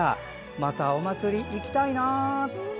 またお祭り行きたいな。